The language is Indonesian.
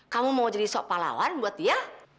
kamu mau jadi sok palawan buat dia